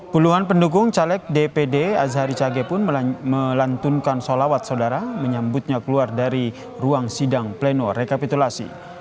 puluhan pendukung caleg dpd azari cage pun melantunkan solawat saudara menyambutnya keluar dari ruang sidang pleno rekapitulasi